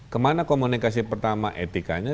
kemana komunikasi pertama etikanya